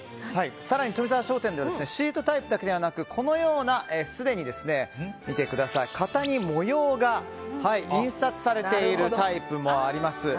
更に富澤商店ではシートタイプだけではなく型に模様が印刷されているタイプもあります。